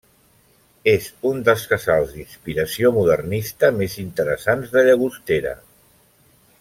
És un dels casals d'inspiració modernista més interessants de Llagostera.